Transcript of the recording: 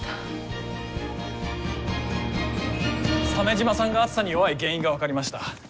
鮫島さんが暑さに弱い原因が分かりました。